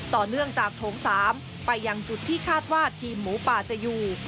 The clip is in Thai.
ต่อเนื่องจากโถง๓ไปยังจุดที่คาดว่าทีมหมูป่าจะอยู่